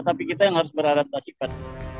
tapi kita yang harus beradaptasikan